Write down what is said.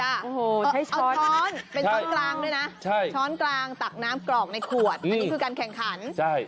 เอาช้อนเป็นช้อนกลางด้วยนะช้อนกลางตักน้ำกรอกในขวดอันนี้คือการแข่งขันใช่